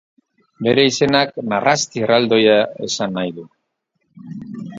Bere izenak narrasti erraldoia esan nahi du.